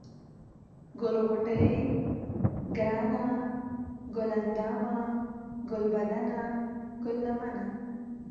ګل غوټۍ ، گرانه ، گل اندامه ، گلبدنه ، گل لمنه ،